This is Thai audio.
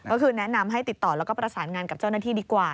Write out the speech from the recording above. ก็คือแนะนำให้ติดต่อแล้วก็ประสานงานกับเจ้าหน้าที่ดีกว่า